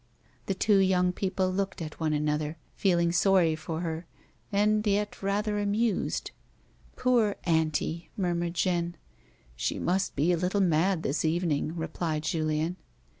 The two young people looked at one another, feeling sorry for her, and yet rather amused. " Poor auntie," murmured Jeanne. " She must be a little mad this evening," replied Julian.